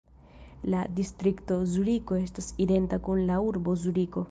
La distrikto Zuriko estas identa kun la urbo Zuriko.